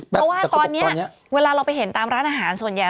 เพราะว่าตอนนี้เวลาเราไปเห็นตามร้านอาหารส่วนใหญ่